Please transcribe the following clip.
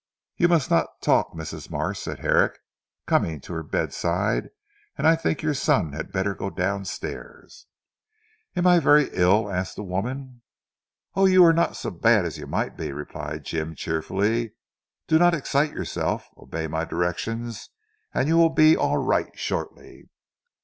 "You must not talk Mrs. Marsh," said Herrick coming to her bedside, "and I think your son had better go downstairs." "Am I very ill?" asked the woman. "Oh, you are not so bad as you might be," replied Jim cheerfully, "do not excite yourself, obey my directions, and you will be all right shortly."